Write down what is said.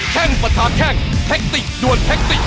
แข่งประทาแข่งเทคติกดวนเทคติก